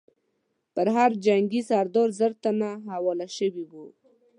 پر هر جنګي سردار زر تنه حواله شوي وو.